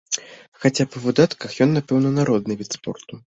Хаця па выдатках ён, напэўна, народны від спорту.